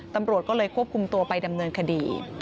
ตำรวจก็เลยควบคุมตัวไปดำเนินคดี